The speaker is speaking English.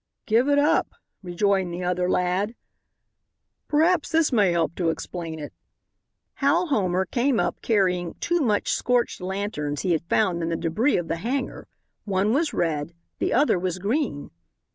"Give it up," rejoined the other lad. "Perhaps this may help to explain it." Hal Homer came up carrying two much scorched lanterns he had found in the debris of the hangar. One was red, the other was green.